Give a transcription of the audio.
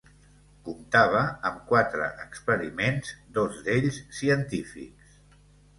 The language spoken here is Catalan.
Comptava amb quatre experiments, dos d'ells científics.